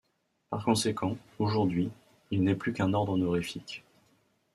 Par conséquent, aujourd’hui, il n’est plus qu’un ordre honorifique.